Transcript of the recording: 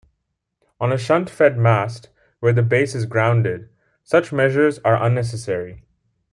On a shunt-fed mast, where the base is grounded, such measures are unnecessary.